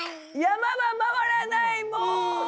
山は回らないもう！